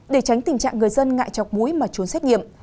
để tránh tình trạng người dân ngại chọc mũi mà trốn xét nghiệm